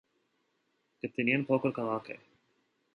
Կտինեան փոքր քաղաք է։